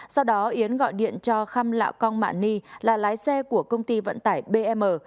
sau đó yến gọi điện cho kham lạ cong mạ ni là lái xe của công ty vận tải bm